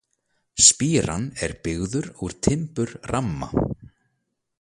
Spíran er byggður úr timbur ramma.